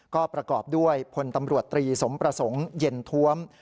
ก็ประกอบด้วยพลตำรวจตรีสมประสงค์เย็นท้วม